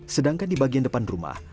sedangkan di bagian depan rumah